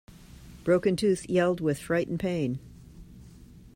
Broken-Tooth yelled with fright and pain.